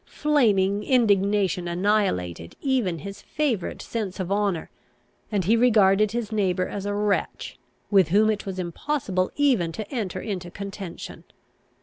Flaming indignation annihilated even his favourite sense of honour, and he regarded his neighbour as a wretch, with whom it was impossible even to enter into contention.